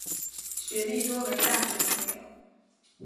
学历多为大学文凭。